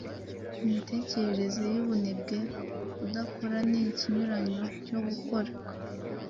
Imitekerereze y’ubunebwe Kudakora ni ikinyuranyo cyo gukora.